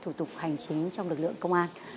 thủ tục hành chính trong lực lượng công an